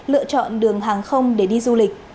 lựa chọn đường hàng không để đi du lịch